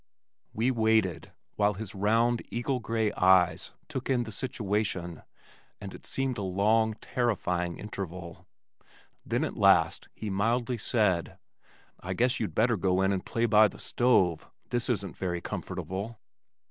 We waited, while his round, eagle gray eyes took in the situation and it seemed a long, terrifying interval, then at last he mildly said, "I guess you'd better go in and play by the stove. This isn't very comfortable."